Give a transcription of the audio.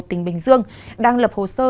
tỉnh bình dương đang lập hồ sơ